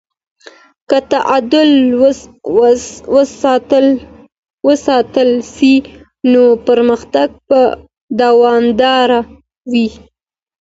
که تعادل وساتل سي نو پرمختګ به دوامداره وي.